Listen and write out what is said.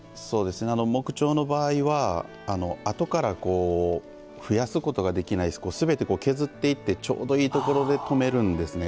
木彫の場合はあとから増やすことができないすべて削っていってちょうどいいところで止めるんですね。